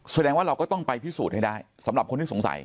แสดงว่าเราก็ต้องไปพิสูจน์ให้ได้สำหรับคนที่สงสัย